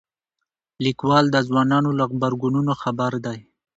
لیکوال د ځوانانو له غبرګونونو خبر دی.